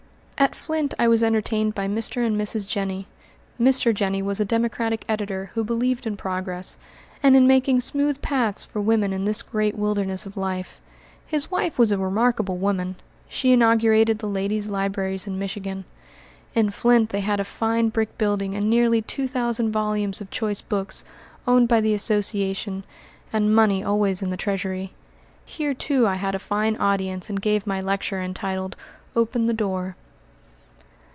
At Flint I was entertained by Mr. and Mrs. Jenny. Mr. Jenny was a Democratic editor who believed in progress, and in making smooth paths for women in this great wilderness of life. His wife was a remarkable woman. She inaugurated the Ladies' Libraries in Michigan. In Flint they had a fine brick building and nearly two thousand volumes of choice books, owned by the association, and money always in the treasury. Here, too, I had a fine audience and gave my lecture entitled "Open the Door."